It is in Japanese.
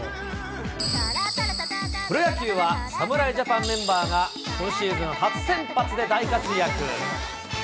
プロ野球は侍ジャパンメンバーが、今シーズン初先発で大活躍。